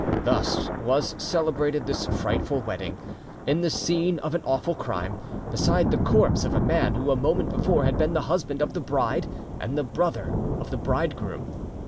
Thus was celebrated this frightful wedding, in the scene of an awful crime; beside the corpse of a man who a moment before had been the husband of the bride and the brother of the bridegroom.